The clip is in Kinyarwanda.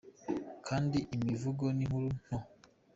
Kwandika imivugo n’inkuru nto.